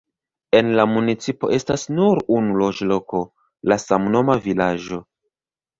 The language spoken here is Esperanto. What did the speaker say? En la municipo estas nur unu loĝloko, la samnoma vilaĝo.